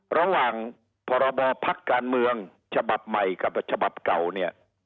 ระหว่างพรบพักการเมืองฉบับใหม่กับฉบับเก่าเนี่ย